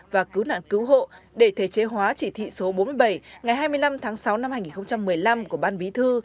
và cứu nạn cứu hộ để thể chế hóa chỉ thị số bốn mươi bảy ngày hai mươi năm tháng sáu năm hai nghìn một mươi năm của ban bí thư